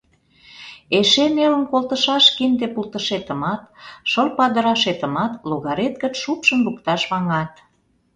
Эше — нелын колтышаш кинде пултышетымат, шыл падырашетымат логарет гыч шупшын лукташ ваҥат.